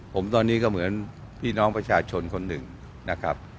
ผมตอนนี้ก็เหมือนพี่น้องประชาชนคนหนึ่งนะครับ